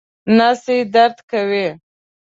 نس یې درد کوي